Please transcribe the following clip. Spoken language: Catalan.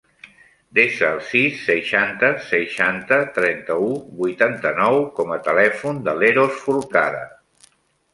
Desa el sis, seixanta, seixanta, trenta-u, vuitanta-nou com a telèfon de l'Eros Forcada.